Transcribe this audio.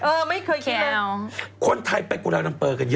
เออไม่เคยคิดแล้วคนไทยไปกุลาลัมเปอร์กันเยอะ